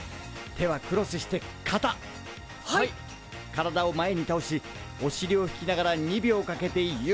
体を前にたおしおしりを引きながら２秒かけてゆっくりしゃがむ。